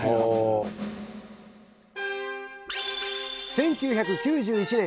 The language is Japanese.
１９９１年